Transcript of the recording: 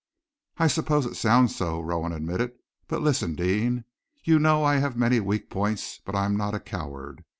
"I suppose it sounds so," Rowan admitted. "But listen, Deane. You know I have many weak points, but I am not a coward.